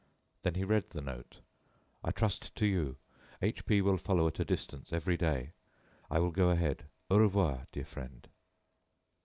Then he read the note: "I trust to you, H P will follow at a distance every day. I will go ahead. Au revoir, dear friend."